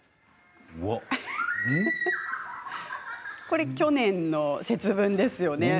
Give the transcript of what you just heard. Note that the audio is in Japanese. これは去年の節分ですよね。